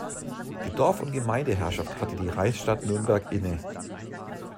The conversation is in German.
Die Dorf- und Gemeindeherrschaft hatte die Reichsstadt Nürnberg inne.